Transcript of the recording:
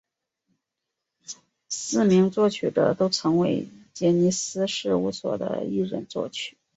四名作曲者都曾为杰尼斯事务所的艺人作曲。